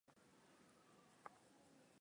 ubaliana na walio yaliotokea